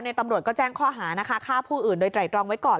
ตำรวจก็แจ้งข้อหานะคะฆ่าผู้อื่นโดยไตรตรองไว้ก่อน